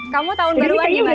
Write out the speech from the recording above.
kamu tahun baruan di mana